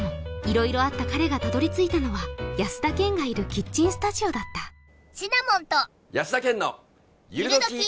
色々あった彼がたどり着いたのは安田顕がいるキッチンスタジオだったシナモンと安田顕のゆるドキ☆